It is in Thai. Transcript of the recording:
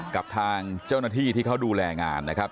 กับทางเจ้าหน้าที่ที่เขาดูแลงานนะครับ